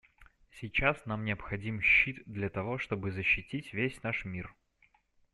Сейчас нам необходим щит для того, чтобы защитить весь наш мир.